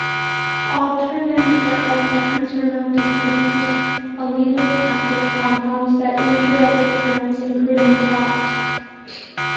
"Alternanthera" plants are known to produce allelopathic compounds that injure other plants, including crops.